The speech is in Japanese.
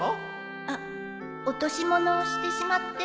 あっ落とし物をしてしまって。